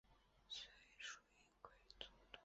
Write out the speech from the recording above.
随署云贵总督。